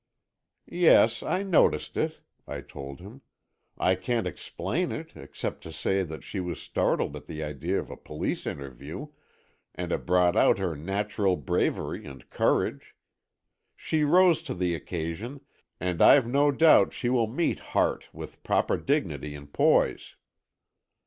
"Yes, I noticed it," I told him. "I can't explain it except to say that she was startled at the idea of a police interview, and it brought out her natural bravery and courage. She rose to the occasion and I've no doubt she will meet Hart with proper dignity and poise."